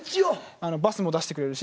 バスも出してくれるし。